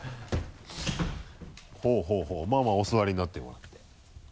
ほぉほぉまぁまぁお座りになってもらって。